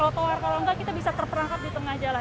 trotoar kalau enggak kita bisa terperangkap di tengah jalan